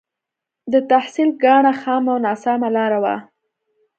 د تحصيل کاڼه خامه او ناسمه لاره وه.